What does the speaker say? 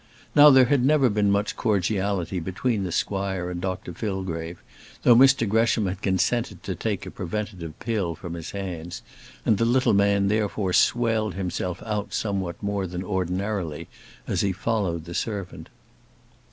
Now there never had been much cordiality between the squire and Dr Fillgrave, though Mr Gresham had consented to take a preventative pill from his hands, and the little man therefore swelled himself out somewhat more than ordinarily as he followed the servant.